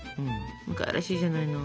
かわいらしいじゃないの。